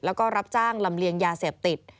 แล้วก็รับจ้างลำเลียงยาเสพติด